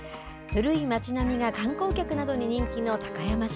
古い町並みが観光客などに人気の高山市。